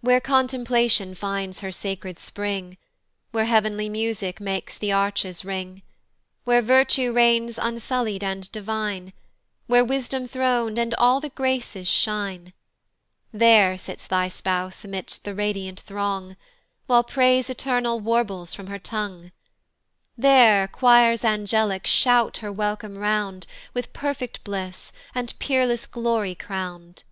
WHERE contemplation finds her sacred spring, Where heav'nly music makes the arches ring, Where virtue reigns unsully'd and divine, Where wisdom thron'd, and all the graces shine, There sits thy spouse amidst the radiant throng, While praise eternal warbles from her tongue; There choirs angelic shout her welcome round, With perfect bliss, and peerless glory crown'd.